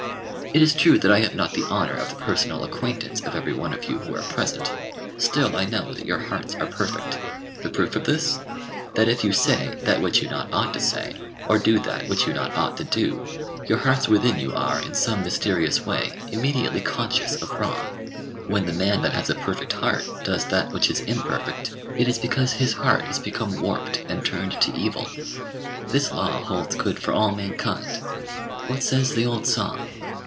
It is true that I have not the honour of the personal acquaintance of every one of you who are present: still I know that your hearts are perfect. The proof of this, that if you say that which you ought not to say, or do that which you ought not to do, your hearts within you are, in some mysterious way, immediately conscious of wrong. When the man that has a perfect heart does that which is imperfect, it is because his heart has become warped and turned to evil. This law holds good for all mankind. What says the old song?